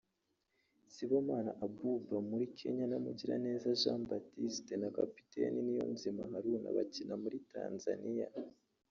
Sibomana Abuba muri Kenya na Mugiraneza Jean Baptiste na kapiteni Niyonzima Haruna bakina muri Tanzania